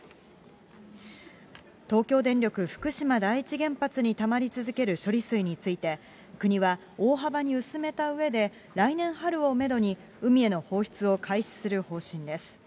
東京電力福島第一原発にたまり続ける処理水について、国は大幅に薄めたうえで、来年春をメドに海への放出を開始する方針です。